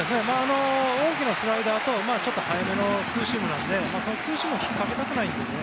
大きなスライダーと速めなツーシームなのでツーシームは引っかけたくないので。